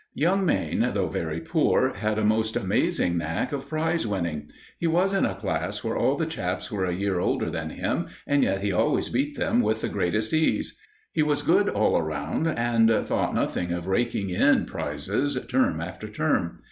Young Mayne, though very poor, had a most amazing knack of prize winning. He was in a class where all the chaps were a year older than him, and yet he always beat them with the greatest ease. He was good all round, and thought nothing of raking in prizes term after term.